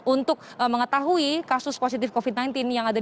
untuk mengetahui kasus positif covid sembilan belas yang ada